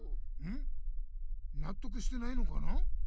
なっとくしてないのかな？